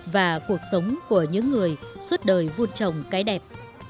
và cuộc sống của những người suốt đời vun trồng cái đẹp